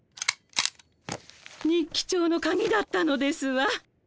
日記帳のカギだったのですわ。